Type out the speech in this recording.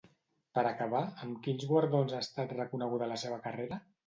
Per acabar, amb quins guardons ha estat reconeguda la seva carrera?